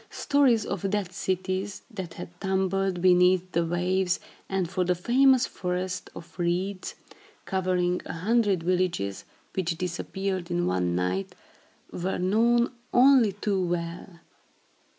Stories of dead cities, that had tumbled beneath the waves, and of the famous Forest of Reeds, covering a hundred villages, which disappeared in one night, were known only too well.